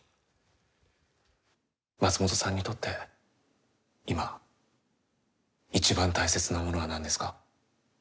松本さんにとって今、一番大切なものは何ですか？